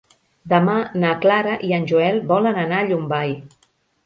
Demà na Clara i en Joel volen anar a Llombai.